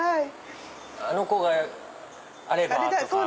あの子があれば！とか。